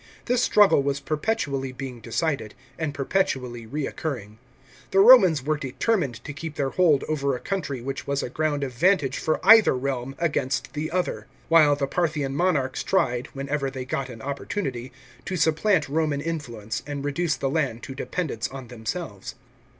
This struggle was perpetually being decided and perpetually recurring. The Romans were determined to keep their hold over a country which was a ground of vantage for either realm against the other; while the Parthian monarchs tried, whenever they got an opportunity, to supplant Roman influence and reduce the land to dependence on themselves.